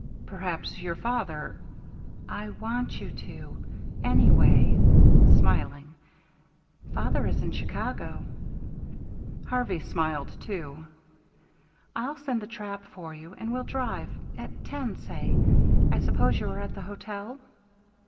"Perhaps your father " "I want you to. Anyway," smiling, "father is in Chicago." Harvey smiled too. "I'll send the trap for you, and we'll drive at ten, say. I suppose you are at the hotel."